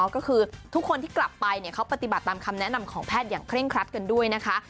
ก็คือทุกคนที่กลับไปเขาปฏิบัติตามคำแนะนำของแพทย์อย่างเร่งครัดกันด้วยนะคะ